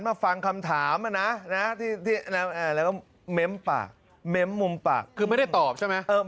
มาฟังคำถามนะแล้วก็เม้มปากเม้มมุมปากคือไม่ได้ตอบใช่ไหม